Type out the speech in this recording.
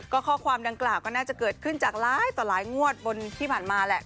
ข้อความดังกล่าวก็น่าจะเกิดขึ้นจากหลายต่อหลายงวดบนที่ผ่านมาแหละ